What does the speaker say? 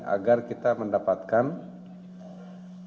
agar kita mendapatkan pimpinan daerah